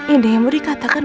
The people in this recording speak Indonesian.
ini yang boleh katakan